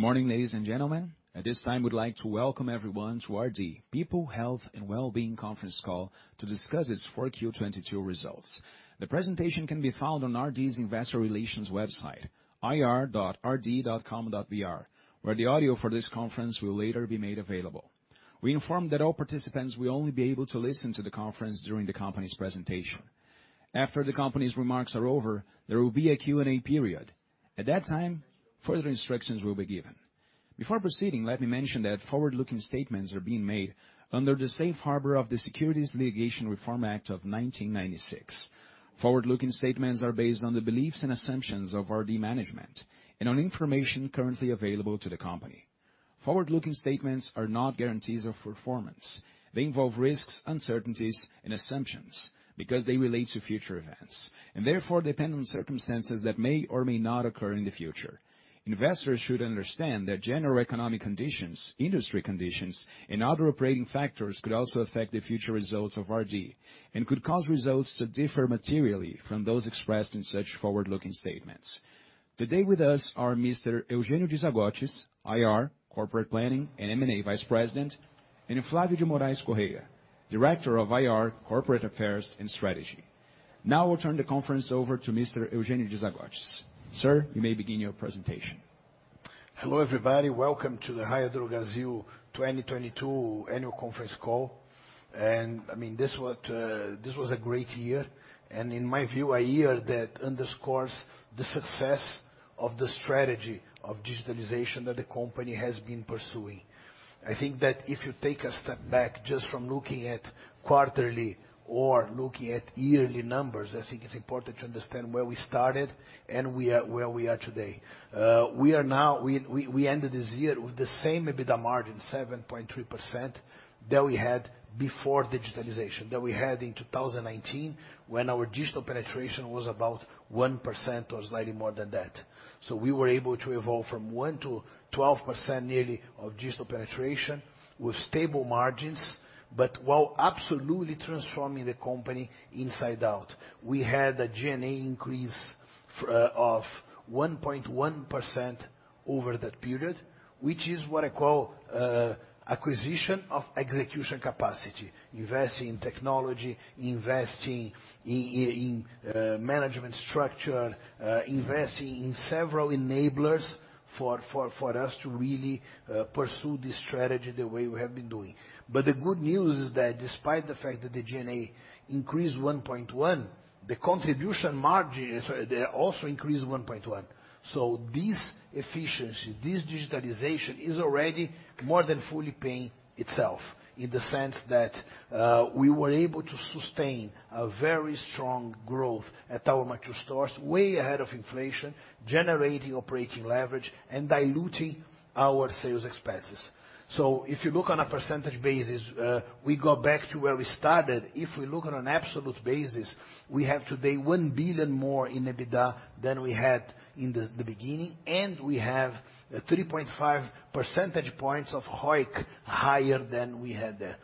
Good morning, ladies and gentlemen. At this time, we'd like to welcome everyone to RD People, Health, and Wellbeing Conference Call to discuss its Q4 2022 results. The presentation can be found on RD's investor relations website, ir.rd.com.br, where the audio for this conference will later be made available. We inform that all participants will only be able to listen to the conference during the company's presentation. After the company's remarks are over, there will be a Q&A period. At that time, further instructions will be given. Before proceeding, let me mention that forward-looking statements are being made under the safe harbor of the Securities Litigation Reform Act of 1996. Forward-looking statements are based on the beliefs and assumptions of RD management and on information currently available to the company. Forward-looking statements are not guarantees of performance. They involve risks, uncertainties, and assumptions because they relate to future events and therefore depend on circumstances that may or may not occur in the future. Investors should understand that general economic conditions, industry conditions and other operating factors could also affect the future results of RD and could cause results to differ materially from those expressed in such forward-looking statements. Today with us are Eugênio de Zagottis, IR, Corporate Planning, and M&A Vice President, and Flavio de Moraes Correia, Director of IR, Corporate Affairs, and Strategy. I'll turn the conference over to Eugênio de Zagottis. Sir, you may begin your presentation. Hello everybody. Welcome to the Raia Drogasil 2022 Annual Conference Call. I mean, this was a great year and in my view, a year that underscores the success of the strategy of digitalization that the company has been pursuing. I think that if you take a step back, just from looking at quarterly or looking at yearly numbers, I think it's important to understand where we started and where we are today. We ended this year with the same EBITDA margin, 7.3% that we had before digitalization, that we had in 2019 when our digital penetration was about 1% or slightly more than that. We were able to evolve from 1% to 12% yearly of digital penetration with stable margins, but while absolutely transforming the company inside out. We had a G&A increase of 1.1% over that period, which is what I call acquisition of execution capacity, investing in technology, investing in management structure, investing in several enablers for us to really pursue this strategy the way we have been doing. The good news is that despite the fact that the G&A increased 1.1%, the contribution margin, sorry, they also increased 1.1%. This efficiency, this digitalization is already more than fully paying itself in the sense that we were able to sustain a very strong growth at our mature stores, way ahead of inflation, generating operating leverage and diluting our sales expenses. If you look on a percentage basis, we go back to where we started. If we look on an absolute basis, we have today 1 billion more in EBITDA than we had in the beginning. We have a 3.5 percentage points of ROIC higher than we had there.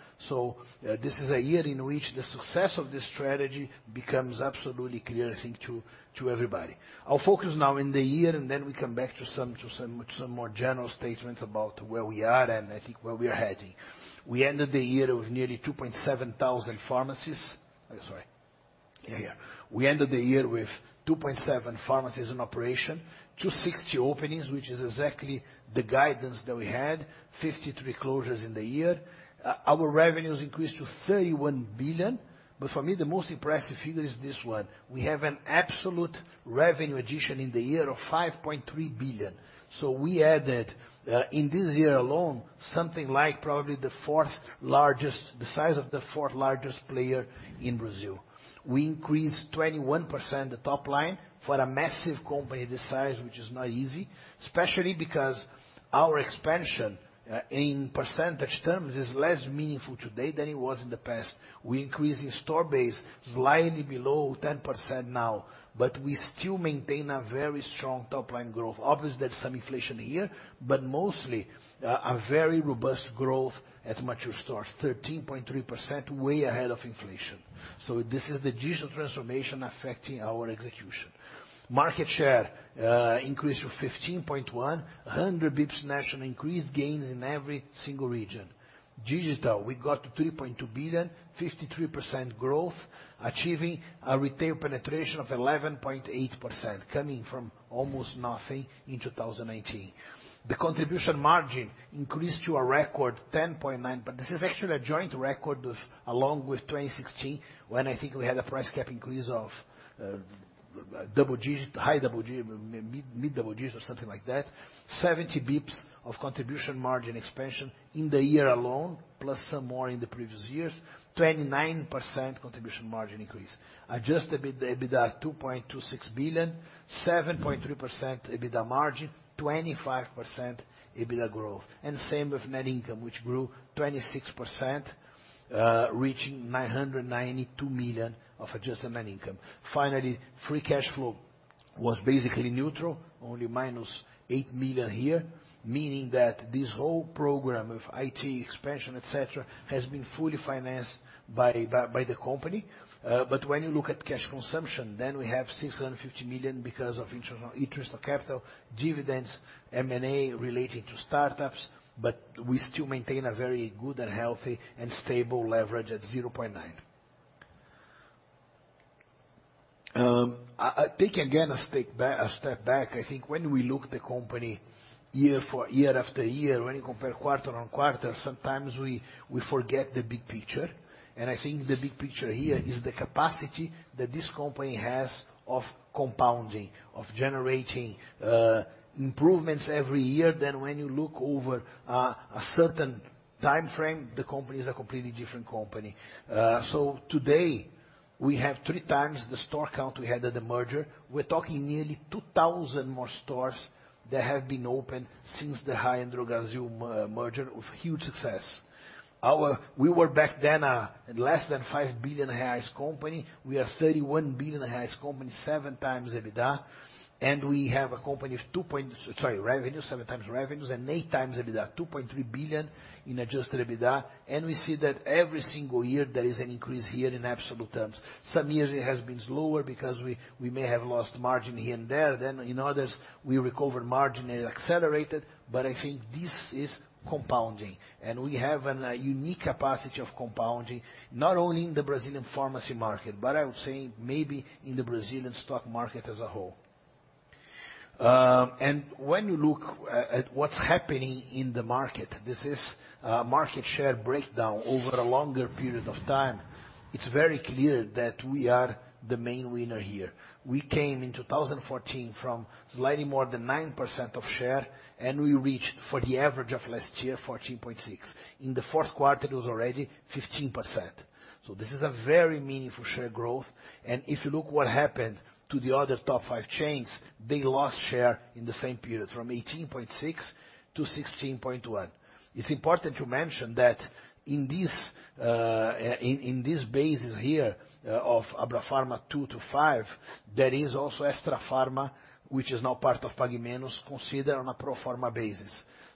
This is a year in which the success of this strategy becomes absolutely clear, I think, to everybody. I'll focus now in the year and then we come back to some more general statements about where we are and I think where we're heading. We ended the year with nearly 2,700 pharmacies. Sorry. Here. We ended the year with 2,700 pharmacies in operation, 260 openings, which is exactly the guidance that we had, 53 closures in the year. Our revenues increased to 31 billion. For me, the most impressive figure is this one. We have an absolute revenue addition in the year of 5.3 billion. We added, in this year alone something like probably the size of the fourth largest player in Brazil. We increased 21% top line for a massive company this size, which is not easy. Especially because our expansion, in percentage terms is less meaningful today than it was in the past. We're increasing store base slightly below 10% now, but we still maintain a very strong top line growth. Obviously, there's some inflation here, but mostly a very robust growth at mature stores, 13.3% way ahead of inflation. This is the digital transformation affecting our execution. Market share increased to 15.1%. 100 basis points national increase gains in every single region. Digital, we got to 3.2 billion, 53% growth, achieving a retail penetration of 11.8%, coming from almost nothing in 2018. The contribution margin increased to a record 10.9, this is actually a joint record along with 2016 when I think we had a price cap increase of double digit, mid double digits or something like that. 70 basis points of contribution margin expansion in the year alone, plus some more in the previous years. 29% contribution margin increase. Adjusted EBITDA, 2.26 billion. 7.3% EBITDA margin. 25% EBITDA growth. Same with net income, which grew 26%, reaching 992 million of adjusted net income. Free cash flow was basically neutral, only -8 million here, meaning that this whole program of IT expansion, et cetera, has been fully financed by the company. When you look at cash consumption, we have 650 million because of internal interest on capital, dividends, M&A relating to startups, but we still maintain a very good and healthy and stable leverage at 0.9. I take again a step back, I think when we look the company year after year, when you compare quarter on quarter, sometimes we forget the big picture. I think the big picture here is the capacity that this company has of compounding, of generating improvements every year. When you look over a certain time frame, the company is a completely different company. Today we have 3x the store count we had at the merger. We're talking nearly 2,000 more stores that have been opened since the Raia Drogasil merger with huge success. We were back then less than 5 billion reais company. We are 31 billion reais company, 7x EBITDA. Sorry, 7x revenues and 8x EBITDA, 2.3 billion in adjusted EBITDA. We see that every single year there is an increase here in absolute terms. Some years it has been slower because we may have lost margin here and there. In others, we recover margin and accelerated. I think this is compounding. We have a unique capacity of compounding, not only in the Brazilian pharmacy market, but I would say maybe in the Brazilian stock market as a whole. When you look at what's happening in the market, this is market share breakdown over a longer period of time, it's very clear that we are the main winner here. We came in 2014 from slightly more than 9% of share, and we reached for the average of last year, 14.6%. In the Q4, it was already 15%. This is a very meaningful share growth. If you look what happened to the other top five chains, they lost share in the same period from 18.6% to 16.1%. It's important to mention that in this in this basis here of Abrafarma 2-5. There is also Extrafarma, which is now part of Pague Menos, considered on a pro forma basis.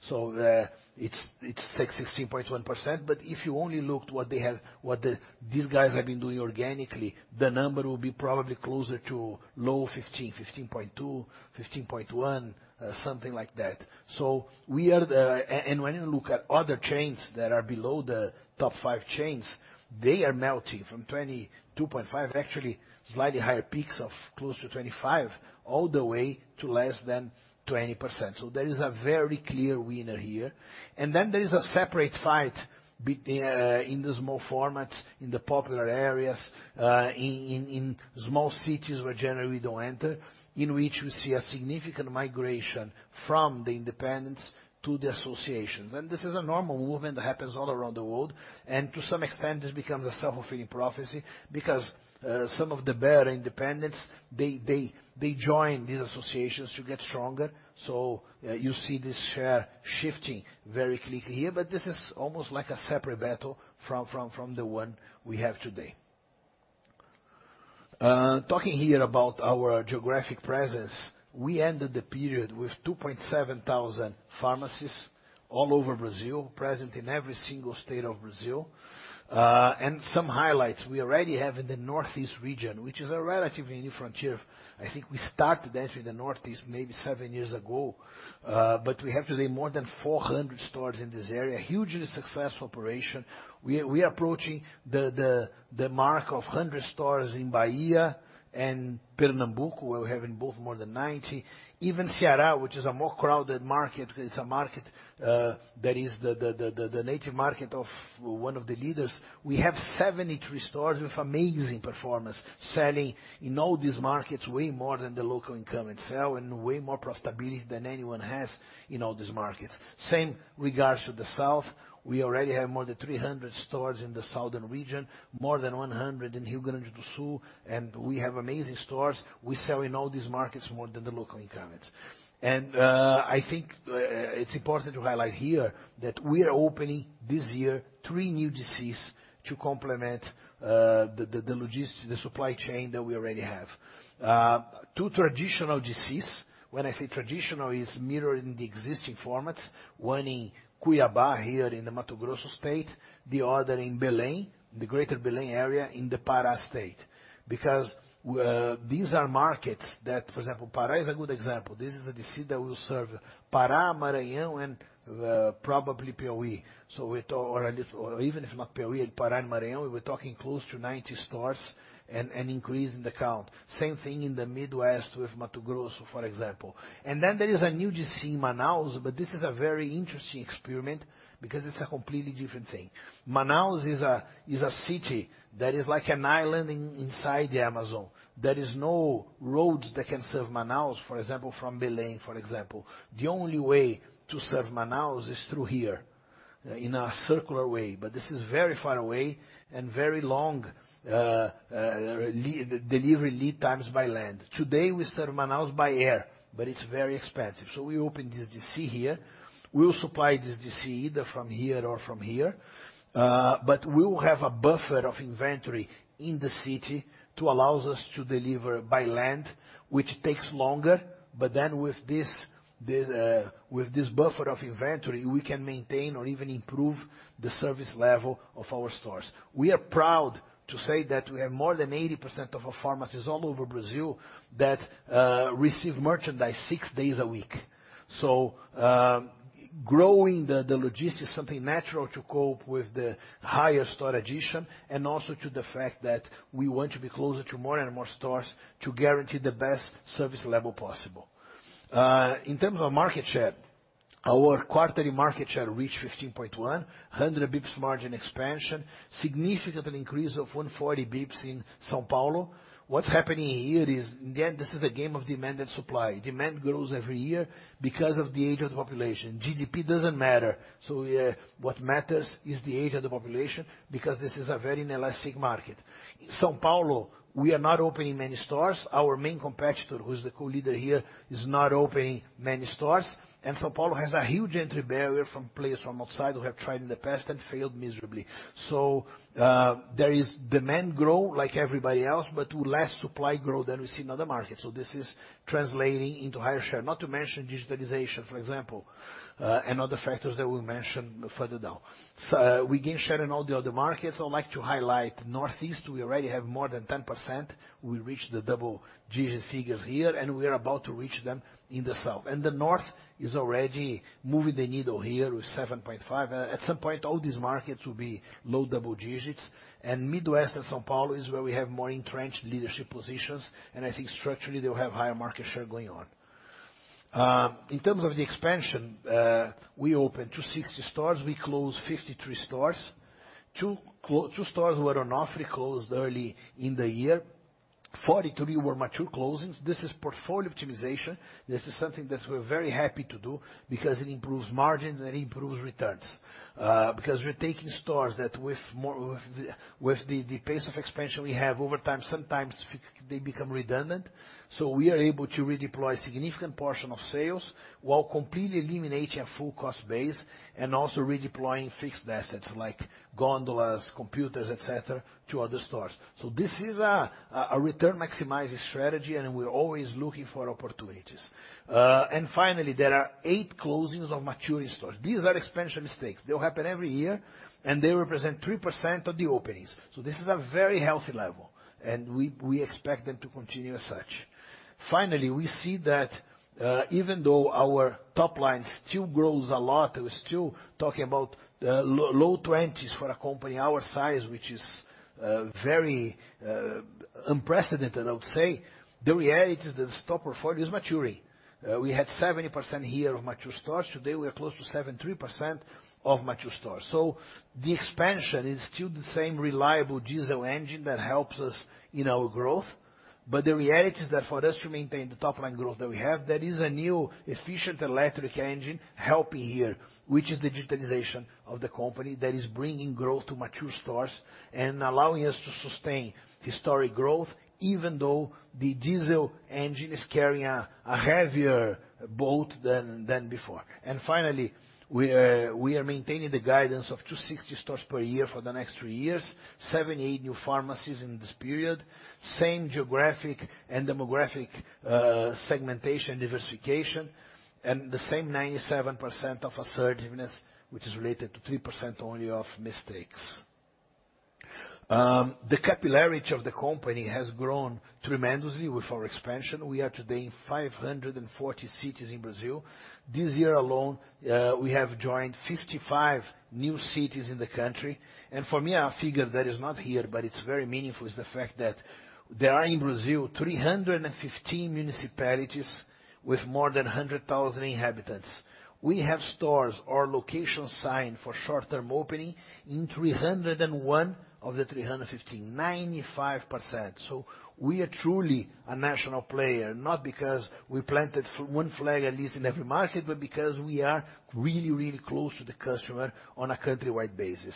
it's take 16.1%. If you only looked what these guys have been doing organically, the number will be probably closer to low 15.2, 15.1, something like that. When you look at other chains that are below the top FIVE chains, they are melting from 22.5, actually slightly higher peaks of close to 25, all the way to less than 20%. There is a very clear winner here. Then there is a separate fight in the small formats, in the popular areas, in small cities where generally we don't enter, in which we see a significant migration from the independents to the associations. This is a normal movement that happens all around the world. To some extent, this becomes a self-fulfilling prophecy because some of the better independents, they join these associations to get stronger. You see this share shifting very quickly here, but this is almost like a separate battle from the one we have today. Talking here about our geographic presence, we ended the period with 2,700 pharmacies all over Brazil, present in every single state of Brazil. And some highlights we already have in the Northeast region, which is a relatively new frontier. I think we started entering the Northeast maybe seven years ago, but we have today more than 400 stores in this area. Hugely successful operation. We are approaching the mark of 100 stores in Bahia and Pernambuco. We're having both more than 90. Even Ceará, which is a more crowded market. It's a market that is the native market of one of the leaders. We have 73 stores with amazing performance selling in all these markets way more than the local income itself and way more profitability than anyone has in all these markets. Same regards to the South. We already have more than 300 stores in the southern region, more than 100 in Rio Grande do Sul, and we have amazing stores. We sell in all these markets more than the local incumbents. I think it's important to highlight here that we are opening this year three new DCs to complement the supply chain that we already have. Two traditional DCs. When I say traditional, it's mirrored in the existing formats, one in Cuiabá here in the Mato Grosso state, the other in Belém, the Greater Belém area in the Pará state. These are markets that, for example, Pará is a good example. This is a DC that will serve Pará, Maranhão and probably Piauí. Even if not Piauí and Pará and Maranhão, we're talking close to 90 stores and increase in the count. Same thing in the Midwest with Mato Grosso, for example. There is a new DC in Manaus, but this is a very interesting experiment because it's a completely different thing. Manaus is a city that is like an island inside the Amazon. There is no roads that can serve Manaus, for example, from Belém, for example. The only way to serve Manaus is through here in a circular way, but this is very far away and very long delivery lead times by land. Today, we serve Manaus by air, but it's very expensive. We open the DC here. We will supply this DC either from here or from here. We will have a buffer of inventory in the city to allows us to deliver by land, which takes longer. With this buffer of inventory, we can maintain or even improve the service level of our stores. We are proud to say that we have more than 80% of our pharmacies all over Brazil that receive merchandise six days a week. Growing the logistics is something natural to cope with the higher store addition, and also to the fact that we want to be closer to more and more stores to guarantee the best service level possible. In terms of our market share, our quarterly market share reached 15.1, 100 basis points margin expansion, significantly increase of 140 basis points in São Paulo. What's happening here is, again, this is a game of demand and supply. Demand grows every year because of the age of the population. GDP doesn't matter. Yeah, what matters is the age of the population because this is a very inelastic market. São Paulo, we are not opening many stores. Our main competitor, who's the co-leader here, is not opening many stores. São Paulo has a huge entry barrier from players from outside who have tried in the past and failed miserably. There is demand growth like everybody else, but to less supply growth than we see in other markets. This is translating into higher share. Not to mention digitalization, for example, and other factors that we'll mention further down. We gain share in all the other markets. I would like to highlight Northeast. We already have more than 10%. We reached the double-digit figures here, and we're about to reach them in the South. The North is already moving the needle here with 7.5. At some point, all these markets will be low double digits. Midwest and São Paulo is where we have more entrenched leadership positions, and I think structurally, they'll have higher market share going on. In terms of the expansion, we opened 260 stores, we closed 53 stores. Two stores were on offer, closed early in the year. 43 were mature closings. This is portfolio optimization. This is something that we're very happy to do because it improves margins and it improves returns. Because we're taking stores that with more, with the pace of expansion we have over time, sometimes they become redundant. We are able to redeploy a significant portion of sales while completely eliminating a full cost base and also redeploying fixed assets like gondolas, computers, et cetera, to other stores. This is a return maximizing strategy, and we're always looking for opportunities. Finally, there are eight closings of maturing stores. These are expansion mistakes. They'll happen every year, and they represent 3% of the openings. This is a very healthy level, and we expect them to continue as such. Finally, we see that even though our top line still grows a lot, we're still talking about low 20s for a company our size, which is very unprecedented, I would say. The reality is that the stock portfolio is maturing. We had 70% here of mature stores. Today, we are close to 73% of mature stores. The expansion is still the same reliable diesel engine that helps us in our growth. The reality is that for us to maintain the top line growth that we have, there is a new efficient electric engine helping here, which is the digitalization of the company that is bringing growth to mature stores and allowing us to sustain historic growth, even though the diesel engine is carrying a heavier boat than before. Finally, we are maintaining the guidance of 260 stores per year for the next three years, 78 new pharmacies in this period, same geographic and demographic segmentation, diversification, and the same 97% of assertiveness, which is related to 3% only of mistakes. The capillarity of the company has grown tremendously with our expansion. We are today in 540 cities in Brazil. This year alone, we have joined 55 new cities in the country. For me, a figure that is not here, but it's very meaningful, is the fact that there are in Brazil 315 municipalities with more than 100,000 inhabitants. We have stores or location signed for short-term opening in 301 of the 315, 95%. We are truly a national player, not because we planted one flag at least in every market, but because we are really, really close to the customer on a countrywide basis.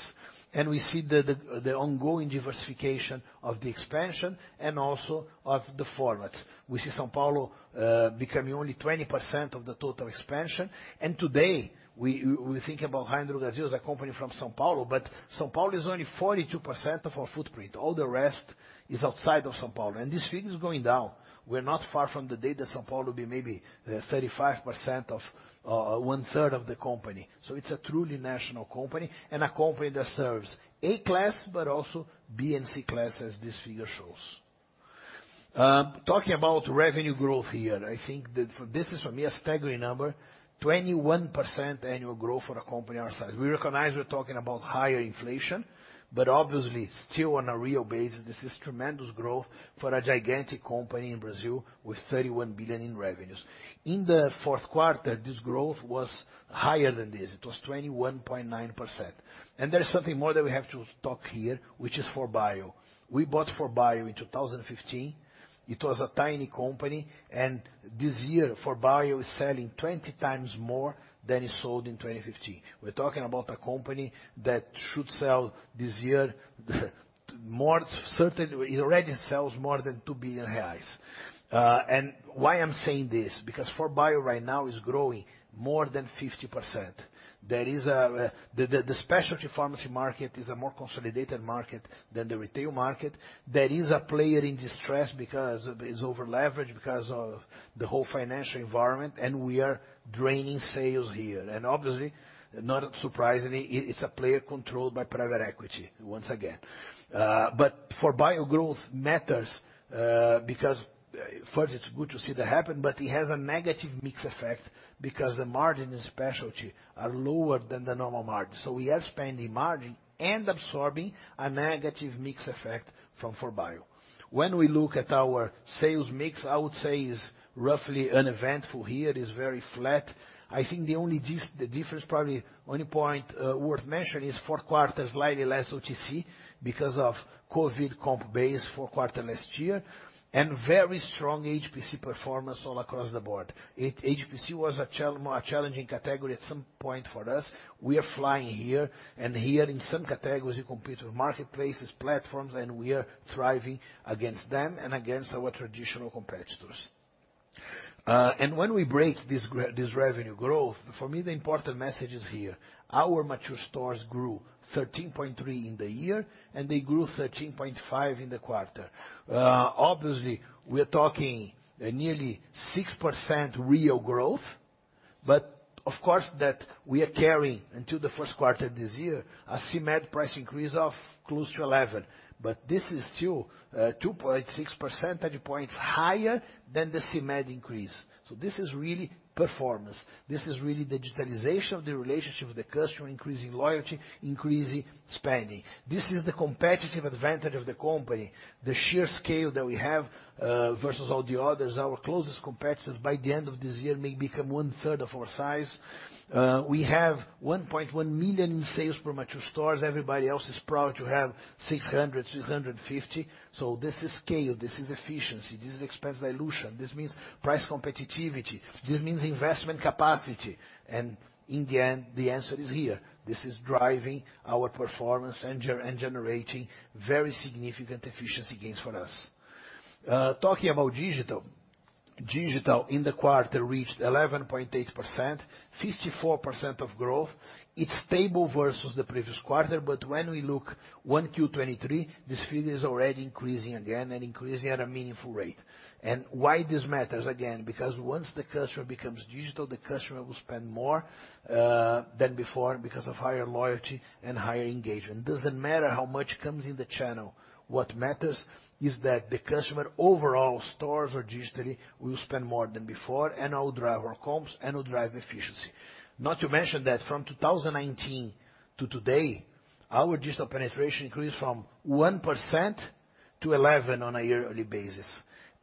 We see the ongoing diversification of the expansion and also of the formats. We see São Paulo becoming only 20% of the total expansion. Today, we think about Raia Drogasil as a company from São Paulo, but São Paulo is only 42% of our footprint. All the rest is outside of São Paulo. This figure is going down. We're not far from the day that São Paulo will be maybe 35% of one-third of the company. It's a truly national company and a company that serves A class but also B and C class, as this figure shows. Talking about revenue growth here, I think that this is for me, a staggering number, 21% annual growth for a company our size. We recognize we're talking about higher inflation, but obviously still on a real basis, this is tremendous growth for a gigantic company in Brazil with 31 billion in revenues. In the Q4, this growth was higher than this. It was 21.9%. There's something more that we have to talk here, which is 4Bio. We bought 4Bio in 2015. It was a tiny company. This year, 4Bio is selling 20x more than it sold in 2015. We're talking about a company that should sell this year it already sells more than 2 billion reais. Why I'm saying this because 4Bio right now is growing more than 50%. There is the specialty pharmacy market is a more consolidated market than the retail market. There is a player in distress because it's over-leveraged because of the whole financial environment, and we are draining sales here. Obviously, not surprisingly, it's a player controlled by private equity once again. 4Bio growth matters because first it's good to see that happen, but it has a negative mix effect because the margin in specialty are lower than the normal margin. We are spending margin and absorbing a negative mix effect from 4Bio. When we look at our sales mix, I would say is roughly uneventful here, is very flat. I think the only the difference probably only point worth mentioning is Q4, slightly less OTC because of COVID comp base Q4 last year, and very strong HPC performance all across the board. HPC was a challenging category at some point for us. We are flying here and here in some categories, we compete with marketplaces, platforms, and we are thriving against them and against our traditional competitors. When we break this revenue growth, for me, the important message is here. Our mature stores grew 13.3% in the year, and they grew 13.5% in the quarter. Obviously, we're talking nearly 6% real growth. Of course, that we are carrying into the Q1 this year a CMED price increase of close to 11. This is still 2.6 percentage points higher than the CMED increase. This is really performance. This is really digitalization of the relationship with the customer, increasing loyalty, increasing spending. This is the competitive advantage of the company, the sheer scale that we have versus all the others. Our closest competitors, by the end of this year, may become one-third of our size. We have 1.1 million in sales per mature stores. Everybody else is proud to have 600-650. This is scale, this is efficiency, this is expense dilution, this means price competitivity, this means investment capacity. In the end, the answer is here. This is driving our performance and generating very significant efficiency gains for us. Talking about digital. Digital in the quarter reached 11.8%, 54% of growth. It's stable versus the previous quarter, but when we look Q1 2023, the speed is already increasing again and increasing at a meaningful rate. Why this matters, again, because once the customer becomes digital, the customer will spend more than before because of higher loyalty and higher engagement. Doesn't matter how much comes in the channel. What matters is that the customer overall stores or digitally will spend more than before and will drive our comps and will drive efficiency. Not to mention that from 2019 to today, our digital penetration increased from 1% to 11% on a yearly basis.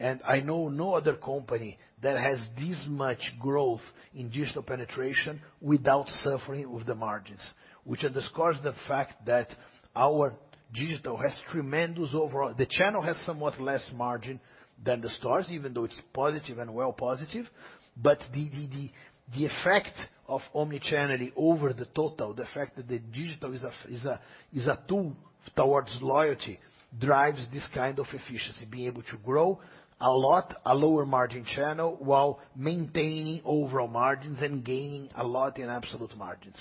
I know no other company that has this much growth in digital penetration without suffering with the margins, which underscores the fact that our digital has tremendous overall. The channel has somewhat less margin than the stores, even though it's positive and well positive. The effect of omni-channel over the total, the effect that the digitais a tool towards loyalty, drives this kind of efficiency, being able to grow a lot a lower margin channel while maintaining overall margins and gaining a lot in absolute margins.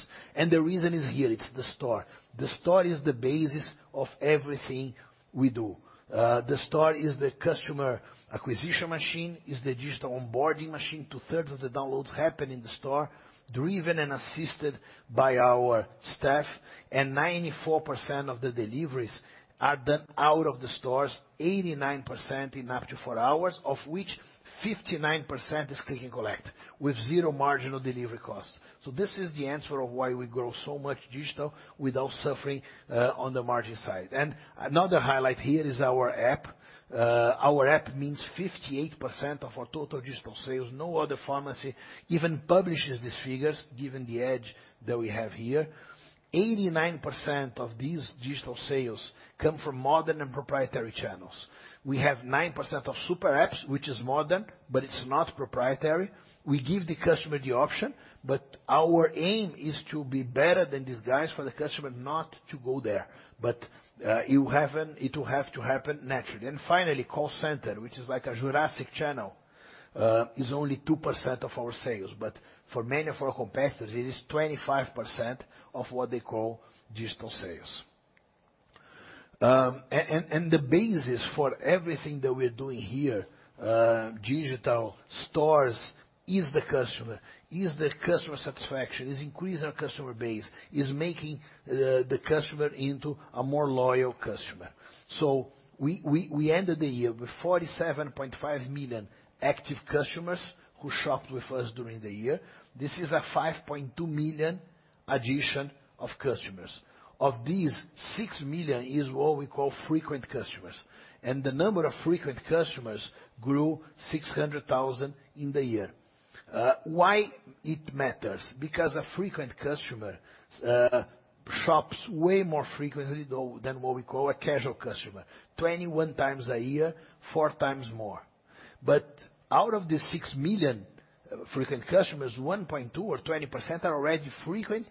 The reason is here, it's the store. The store is the basis of everything we do. The store is the customer acquisition machine, is the digital onboarding machine. Two-thirds of the downloads happen in the store, driven and assisted by our staff, and 94% of the deliveries are done out of the stores, 89% in up to four hours, of which 59% is click and collect with zero marginal delivery cost. This is the answer of why we grow so much digital without suffering on the margin side. Another highlight here is our app. Our app means 58% of our total digital sales. No other pharmacy even publishes these figures, given the edge that we have here. 89% of these digital sales come from modern and proprietary channels. We have 9% of super apps, which is modern, but it's not proprietary. We give the customer the option, but our aim is to be better than these guys for the customer not to go there. It will happen, it will have to happen naturally. Finally, call center, which is like a Jurassic channel, is only 2% of our sales. For many of our competitors, it is 25% of what they call digital sales. The basis for everything that we're doing here, digital, stores, is the customer, is the customer satisfaction, is increasing our customer base, is making the customer into a more loyal customer. We ended the year with 47.5 million active customers who shopped with us during the year. This is a 5.2 million addition of customers. Of these, six million is what we call frequent customers, and the number of frequent customers grew 600,000 in the year. Why it matters? Because a frequent customer, shops way more frequently though than what we call a casual customer, 21x a year, 4x more. Out of the 6 million frequent customers, 1.2 or 20% are already frequent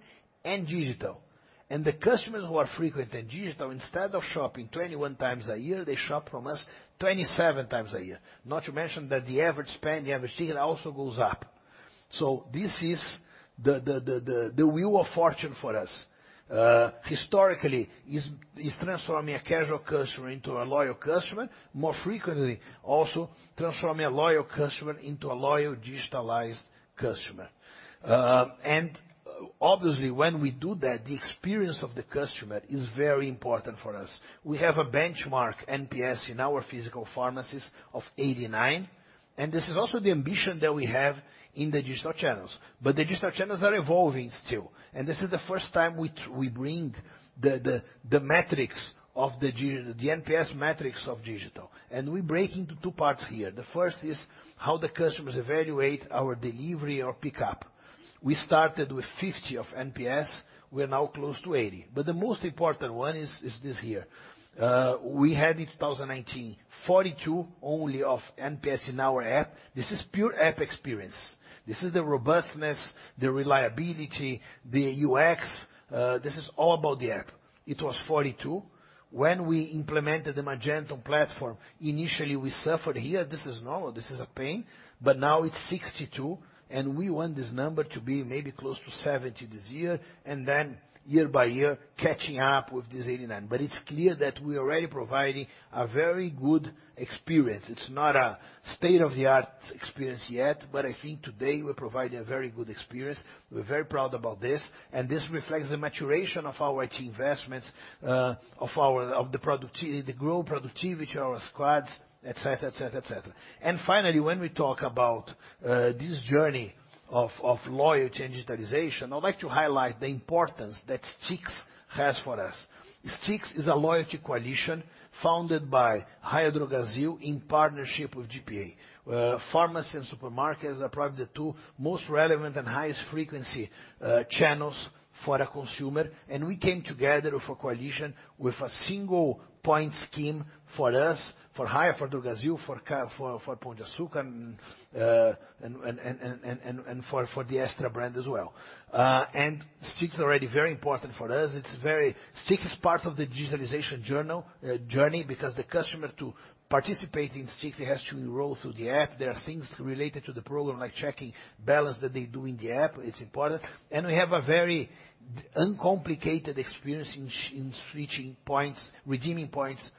and digital. The customers who are frequent and digital, instead of shopping 21x a year, they shop from us 27x a year. Not to mention that the average spend, the average ticket also goes up. This is the wheel of fortune for us. Historically, transforming a casual customer into a loyal customer more frequently, also transforming a loyal customer into a loyal digitalized customer. And obviously, when we do that, the experience of the customer is very important for us. We have a benchmark NPS in our physical pharmacies of 89, this is also the ambition that we have in the digital channels. The digital channels are evolving still, this is the first time we bring the NPS metrics of digital. We break into two parts here. The first is how the customers evaluate our delivery or pickup. We started with 50 of NPS, we're now close to 80. The most important one is this here. We had in 2019, 42 only of NPS in our app. This is pure app experience. This is the robustness, the reliability, the UX, this is all about the app. It was 42. When we implemented the Magento platform, initially we suffered here. This is normal, this is a pain, but now it's 62, and we want this number to be maybe close to 70 this year, and then year by year, catching up with this 89. It's clear that we're already providing a very good experience. It's not a state-of-the-art experience yet, but I think today we're providing a very good experience. We're very proud about this, and this reflects the maturation of our IT investments, of the productivity, the growth productivity, our squads, et cetera, et cetera, et cetera. Finally, when we talk about this journey of loyalty and digitalization, I'd like to highlight the importance that Stix has for us. Stix is a loyalty coalition founded by Raia Drogasil in partnership with GPA, pharmacy and supermarkets are probably the two most relevant and highest frequency channels for a consumer. We came together with a coalition with a single point scheme for us, for Raia, for Drogasil, for Pão de Açúcar, and for the Extra brand as well. Stix is already very important for us. Stix is part of the digitalization journey because the customer to participate in Stix has to enroll through the app. There are things related to the program like checking balance that they do in the app, it's important. We have a very uncomplicated experience in redeeming points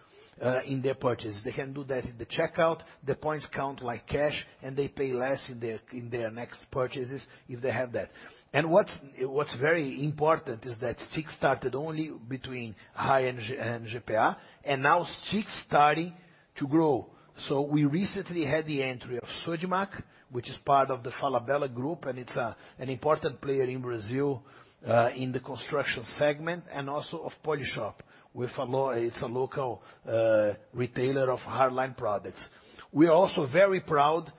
in their purchase. They can do that in the checkout. The points count like cash, and they pay less in their next purchases if they have that. What's very important is that Stix started only between Raia and GPA, and now Stix starting to grow. We recently had the entry of Sodimac, which is part of the Falabella Group, and it's an important player in Brazil in the construction segment, and also of Polishop with it's a local retailer of hard line products. We are also very proud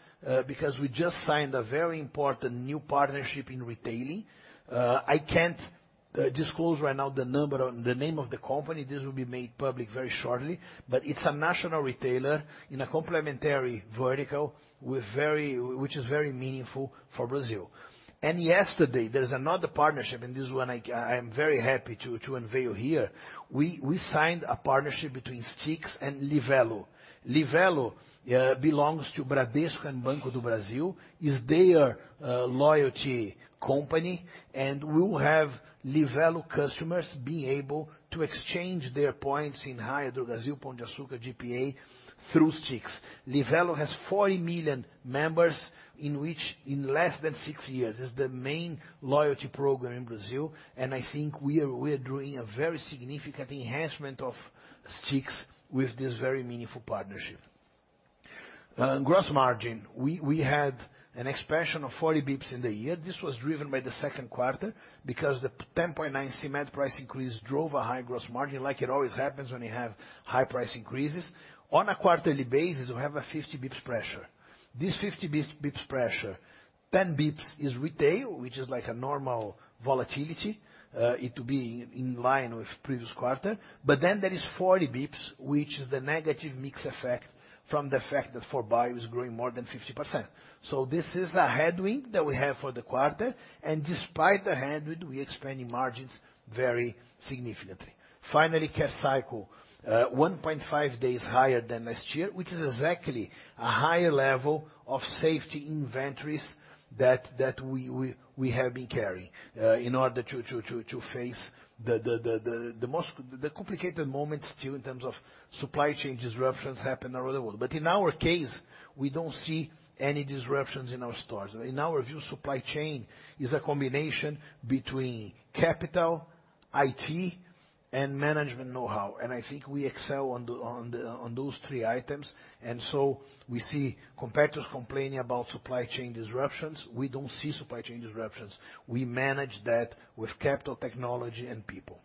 because we just signed a very important new partnership in retailing. I can't disclose right now the name of the company. This will be made public very shortly. It's a national retailer in a complementary vertical which is very meaningful for Brazil. Yesterday, there's another partnership, and this one I am very happy to unveil here. We signed a partnership between Stix and Livelo. Livelo belongs to Bradesco and Banco do Brasil, is their loyalty company and will have Livelo customers being able to exchange their points in Raia Drogasil, Pão de Açúcar, GPA through Stix. Livelo has 40 million members, in which in less than six years is the main loyalty program in Brazil, I think we are doing a very significant enhancement of Stix with this very meaningful partnership. Gross margin. We had an expansion of 40 basis points in the year. This was driven by the Q2 because the 10.9 CMED price increase drove a high gross margin, like it always happens when you have high price increases. On a quarterly basis, we have a 50 basis points pressure. This 50 basis points pressure, 10 basis points is retail, which is like a normal volatility, it to be in line with previous quarter. There is 40 basis points, which is the negative mix effect from the fact that 4Bio was growing more than 50%. This is a headwind that we have for the quarter, and despite the headwind, we're expanding margins very significantly. Finally, cash cycle. 1.5 days higher than last year, which is exactly a higher level of safety inventories that we have been carrying in order to face the most complicated moment still in terms of supply chain disruptions happen around the world. In our case, we don't see any disruptions in our stores. In our view, supply chain is a combination between capital, IT, and management know-how, and I think we excel on those three items. We see competitors complaining about supply chain disruptions. We don't see supply chain disruptions. We manage that with capital, technology, and people.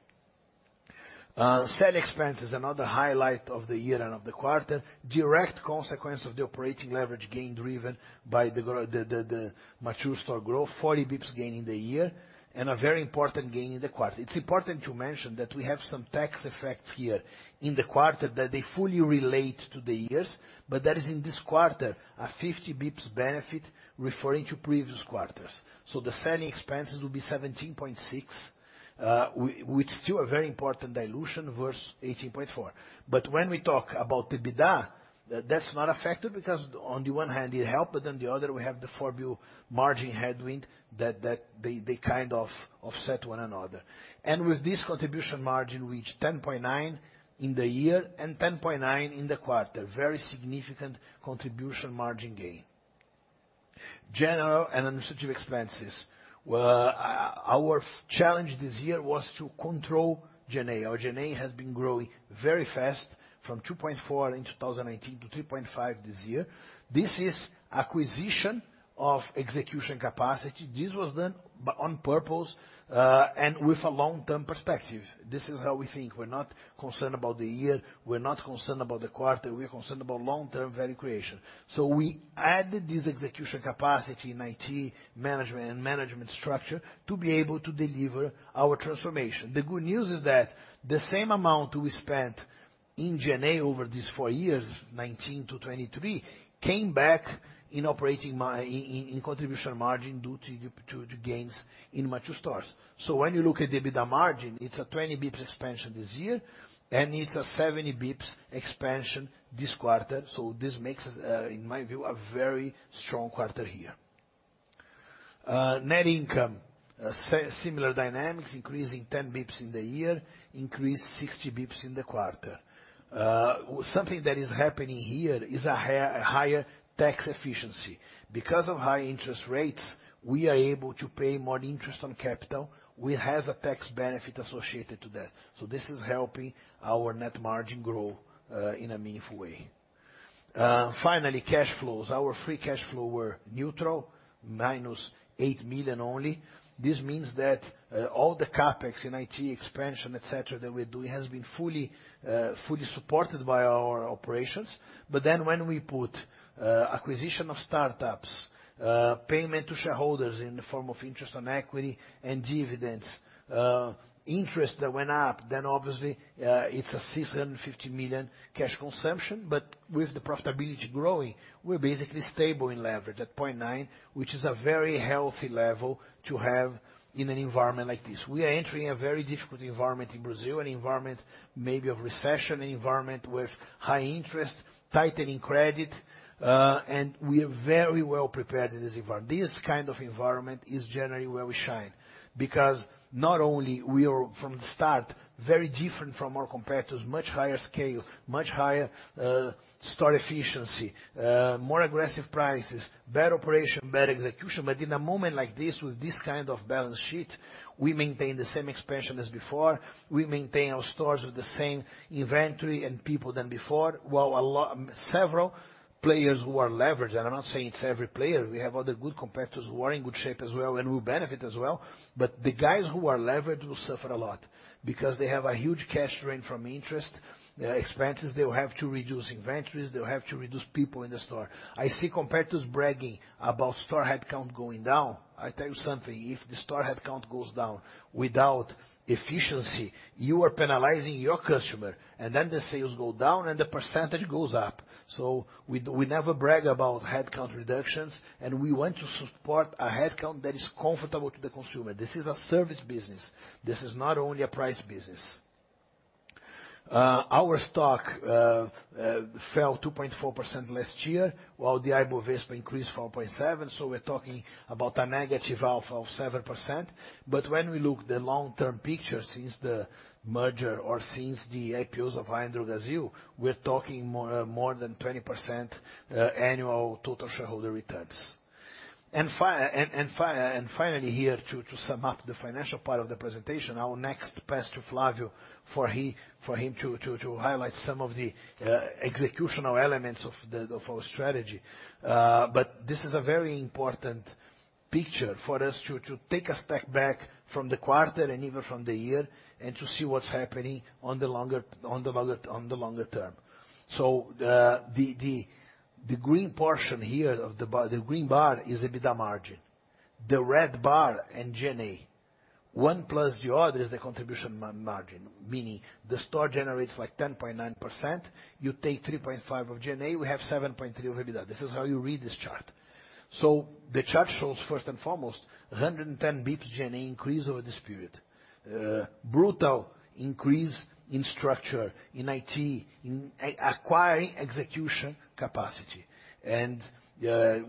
Selling expense is another highlight of the year and of the quarter. Direct consequence of the operating leverage gain driven by the mature store growth, 40 basis points gain in the year and a very important gain in the quarter. It's important to mention that we have some tax effects here in the quarter that they fully relate to the years, that is in this quarter, a 50 basis points benefit referring to previous quarters. The selling expenses will be 17.6%, which still a very important dilution versus 18.4%. When we talk about the EBITDA, that's not affected because on the one hand it help, on the other we have the four margin headwind that kind of offset one another. With this contribution margin, which 10.9% in the year and 10.9% in the quarter, very significant contribution margin gain. General and administrative expenses. Well, our challenge this year was to control G&A. Our G&A has been growing very fast from 2.4% in 2018 to 3.5% this year. This is acquisition of execution capacity. This was done on purpose, and with a long-term perspective, this is how we think. We're not concerned about the year, we're not concerned about the quarter, we're concerned about long-term value creation. We added this execution capacity in IT and management structure to be able to deliver our transformation. The good news is that the same amount we spent in G&A over these four years, 2019-2023, came back in operating contribution margin due to gains in mature stores. When you look at the EBITDA margin, it's a 20 basis points expansion this year, and it's a 70 basis points expansion this quarter. This makes, in my view, a very strong quarter here. Net income. Similar dynamics increasing 10 basis points in the year, increased 60 basis points in the quarter. Something that is happening here is a higher tax efficiency. Because of high interest rates, we are able to pay more interest on capital, we have a tax benefit associated to that. This is helping our net margin grow in a meaningful way. Finally, cash flows. Our free cash flow were neutral, -8 million only. This means that all the CapEx in IT expansion, et cetera, that we're doing has been fully supported by our operations. When we put acquisition of startups, payment to shareholders in the form of interest on equity and dividends, interest that went up, then obviously, it's a 650 million cash consumption. With the profitability growing, we're basically stable in leverage at 0.9, which is a very healthy level to have in an environment like this. We are entering a very difficult environment in Brazil, an environment maybe of recession, an environment with high interest, tightening credit, and we are very well prepared in this kind of environment is generally where we shine. Not only we are from the start, very different from our competitors, much higher scale, much higher store efficiency, more aggressive prices, better operation, better execution. In a moment like this with this kind of balance sheet, we maintain the same expansion as before. We maintain our stores with the same inventory and people than before. While several players who are leveraged, and I'm not saying it's every player, we have other good competitors who are in good shape as well and will benefit as well. The guys who are leveraged will suffer a lot because they have a huge cash drain from interest expenses, they will have to reduce inventories, they will have to reduce people in the store. I see competitors bragging about store headcount going down. I tell you something, if the store headcount goes down without efficiency, you are penalizing your customer and then the sales go down and the percentage goes up. We never brag about headcount reductions, and we want to support a headcount that is comfortable to the consumer. This is a service business. This is not only a price business. Our stock fell 2.4% last year, while the Ibovespa increased 4.7%. We're talking about a negative alpha of 7%. When we look the long-term picture since the merger or since the IPOs of Raia Drogasil, we're talking more than 20% annual total shareholder returns. Finally, here to sum up the financial part of the presentation, I'll next pass to Flavio for him to highlight some of the executional elements of our strategy. This is a very important picture for us to take a step back from the quarter and even from the year and to see what's happening on the longer term. The green portion here of the bar, the green bar is EBITDA margin, the red bar and G&A. One plus the other is the contribution margin, meaning the store generates like 10.9%. You take 3.5% of G&A, we have 7.3% of EBITDA. This is how you read this chart. The chart shows first and foremost, 110 basis points G&A increase over this period. Brutal increase in structure, in IT, in acquiring execution capacity.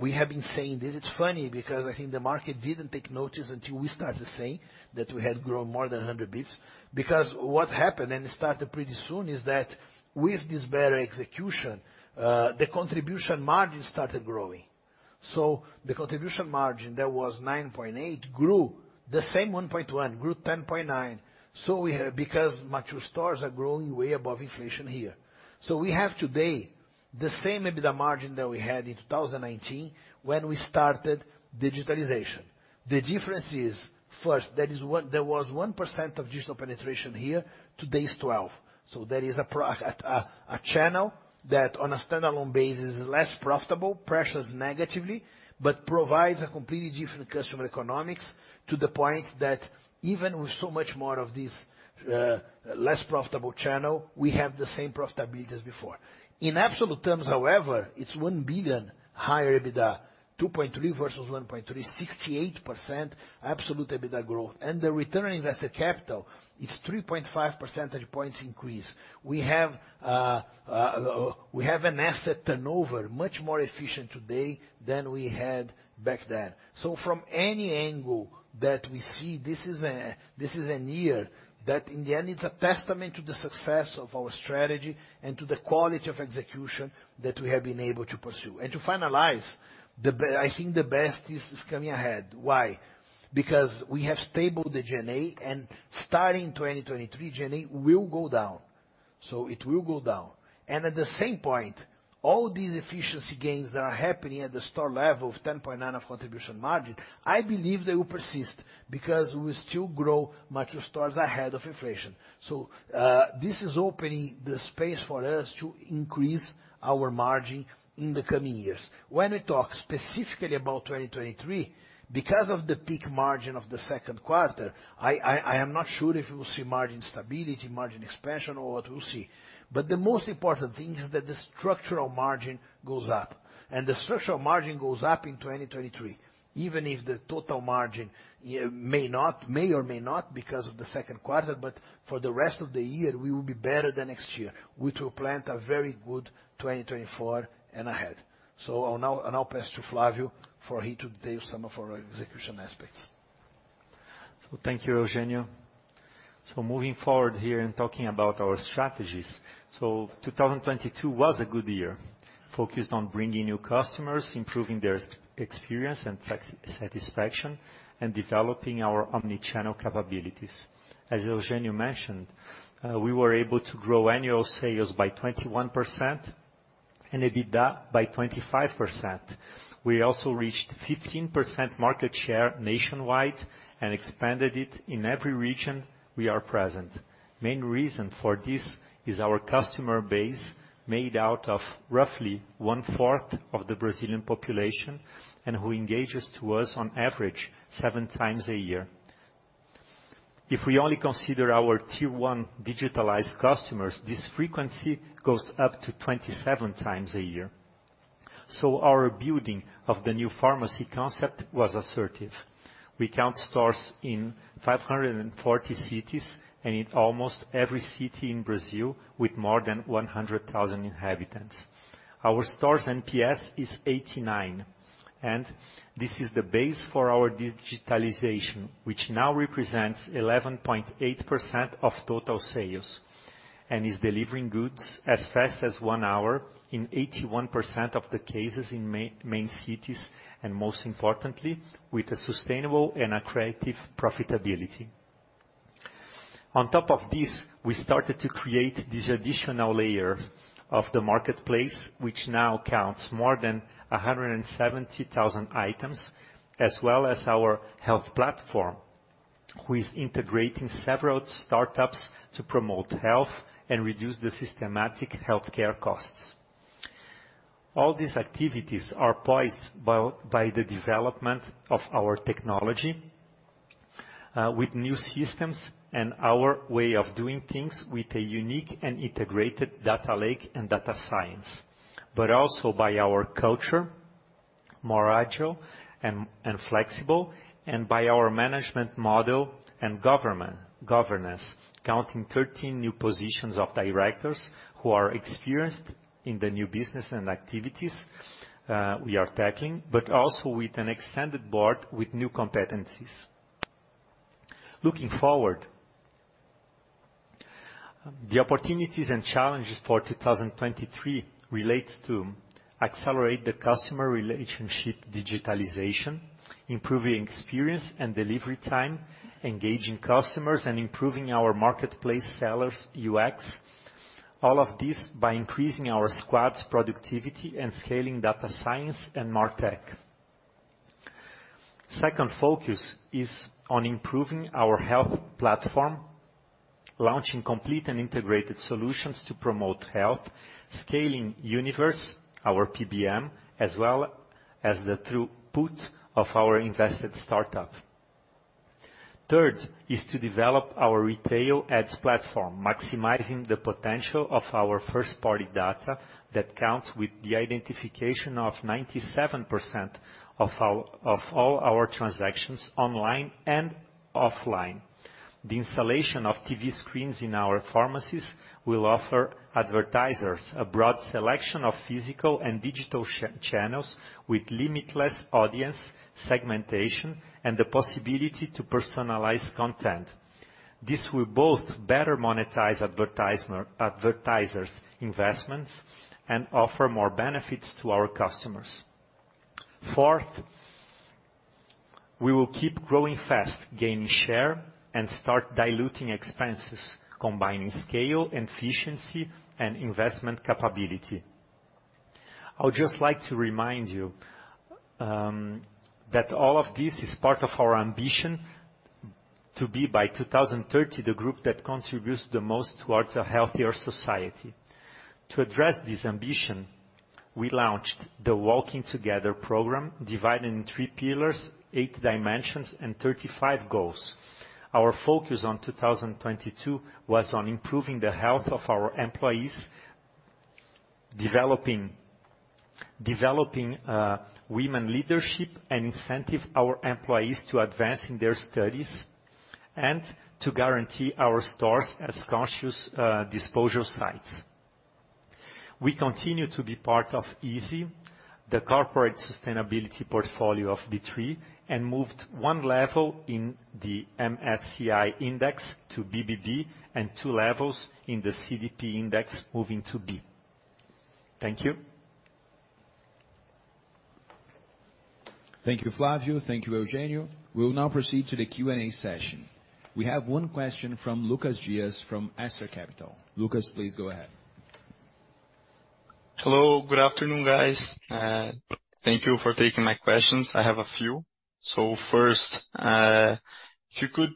We have been saying this, it's funny because I think the market didn't take notice until we started saying that we had grown more than 100 basis points. What happened, and it started pretty soon, is that with this better execution, the contribution margin started growing. The contribution margin that was 9.8 grew the same 1.1, grew 10.9. Because mature stores are growing way above inflation here. We have today the same EBITDA margin that we had in 2019 when we started digitalization. The difference is, first, that there was 1% of digital penetration here, today is 12%. There is a channel that on a standalone basis is less profitable, pressures negatively, but provides a completely different customer economics to the point that even with so much more of this less profitable channel, we have the same profitability as before. In absolute terms, however, it's 1 billion higher EBITDA, 2.3 billion versus 1.3 billion, 68% absolute EBITDA growth. The return on invested capital is 3.5 percentage points increase. We have an asset turnover much more efficient today than we had back then. From any angle that we see, this is a year that in the end, it's a testament to the success of our strategy and to the quality of execution that we have been able to pursue. To finalize, I think the best is coming ahead. Why? We have stabled the G&A and starting in 2023, G&A will go down. It will go down. At the same point, all these efficiency gains that are happening at the store level of 10.9% of contribution margin, I believe they will persist because we still grow much stores ahead of inflation. This is opening the space for us to increase our margin in the coming years. When we talk specifically about 2023, because of the peak margin of the Q2, I am not sure if we will see margin stability, margin expansion or what we'll see. The most important thing is that the structural margin goes up. The structural margin goes up in 2023, even if the total margin may not, may or may not because of the Q2, but for the rest of the year, we will be better than next year, which will plant a very good 2024 and ahead. I'll now pass to Flavio for he to detail some of our execution aspects. Thank you, Eugênio. Moving forward here and talking about our strategies. 2022 was a good year, focused on bringing new customers, improving their experience and satisfaction, and developing our omni-channel capabilities. As Eugênio mentioned, we were able to grow annual sales by 21% and EBITDA by 25%. We also reached 15% market share nationwide and expanded it in every region we are present. Main reason for this is our customer base made out of roughly one-fourth of the Brazilian population and who engages to us on average 7x a year. If we only consider our tier 1 digitalized customers, this frequency goes up to 27x a year. Our building of the new pharmacy concept was assertive. We count stores in 540 cities and in almost every city in Brazil with more than 100,000 inhabitants. Our stores NPS is 89. This is the base for our digitalization, which now represents 11.8% of total sales and is delivering goods as fast as one hour in 81% of the cases in main cities. Most importantly, with a sustainable and accretive profitability. On top of this, we started to create this additional layer of the marketplace, which now counts more than 170,000 items, as well as our health platform, who is integrating several startups to promote health and reduce the systematic healthcare costs. All these activities are poised by the development of our technology, with new systems and our way of doing things with a unique and integrated data lake and data science. Also by our culture, more agile and flexible, and by our management model and governance, counting 13 new positions of directors who are experienced in the new business and activities we are tackling, but also with an extended board with new competencies. Looking forward, the opportunities and challenges for 2023 relates to accelerate the customer relationship digitalization, improving experience and delivery time, engaging customers, and improving our marketplace sellers' UX. All of this by increasing our squads' productivity and scaling data science and MarTech. Second focus is on improving our health platform, launching complete and integrated solutions to promote health, scaling Univers, our PBM, as well as the throughput of our invested startup. Third is to develop our retail ads platform, maximizing the potential of our first-party data that counts with the identification of 97% of all our transactions online and offline. The installation of TV screens in our pharmacies will offer advertisers a broad selection of physical and digital channels with limitless audience segmentation and the possibility to personalize content. This will both better monetize advertisers' investments and offer more benefits to our customers. Fourth. We will keep growing fast, gaining share, and start diluting expenses, combining scale, efficiency, and investment capability. I would just like to remind you that all of this is part of our ambition to be, by 2030, the group that contributes the most towards a healthier society. To address this ambition, we launched the Walking Together program, divided in three pillars, eight dimensions, and 35 goals. Our focus on 2022 was on improving the health of our employees, developing women leadership, and incentive our employees to advance in their studies, and to guarantee our stores as conscious disposal sites. We continue to be part of ISE, the corporate sustainability portfolio of B3, and moved one level in the MSCI index to BBB, and two levels in the CDP index, moving to B. Thank you. Thank you, Flavio. Thank you, Eugênio. We'll now proceed to the Q&A session. We have one question from Lucas Dias from Aster Capital. Lucas, please go ahead. Hello. Good afternoon, guys. Thank you for taking my questions. I have a few. First, if you could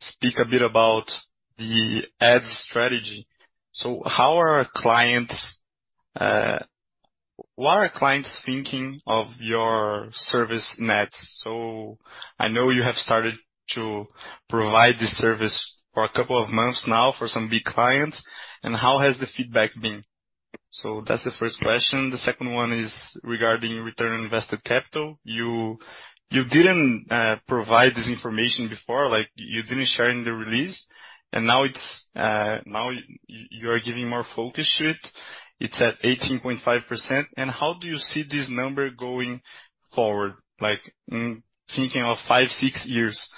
speak a bit about the Ads strategy. What are clients thinking of your service net? I know you have started to provide this service for a couple of months now for some big clients. How has the feedback been? That's the first question. The second one is regarding ROIC. You didn't provide this information before. Like, you didn't share in the release, and now it's, now you are giving more focus to it. It's at 18.5%. How do you see this number going forward? Thinking of five, six years,